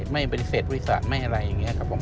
ไม่เป็นเศรษฐ์วิทยาลัยไม่อะไรอย่างนี้ครับผม